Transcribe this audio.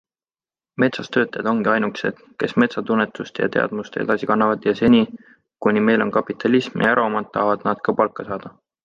Metsas töötajad ongi ainukesed, kes metsatunnetust ja -teadmust edasi kannavad ja seni, kuni meil on kapitalism ja eraomand, tahavad nad ka palka saada.